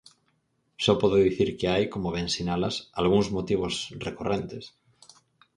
Só podo dicir que hai, como ben sinalas, algúns motivos recorrentes.